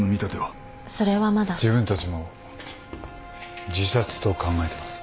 自分たちも自殺と考えてます。